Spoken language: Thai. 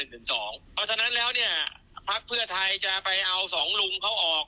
เพราะฉะนั้นแล้วเนี่ยพักเพื่อไทยจะไปเอาสองลุงเขาออก